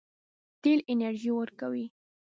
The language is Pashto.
تیل انرژي ورکوي.